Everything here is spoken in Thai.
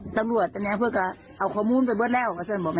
ตำรวจตอนนี้เพื่อก็เอาขอมูลจนบัดแล้ว